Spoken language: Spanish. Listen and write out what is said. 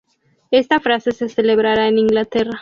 Esta fase se celebrará en Inglaterra.